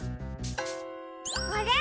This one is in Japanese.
あれ？